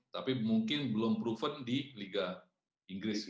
tapi mungkin belum proven di liga inggris